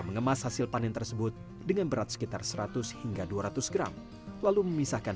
mengemas hasil panen tersebut dengan berat sekitar seratus hingga dua ratus gram lalu memisahkan